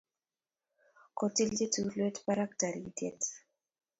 Kotilchi tulwet barak taritiet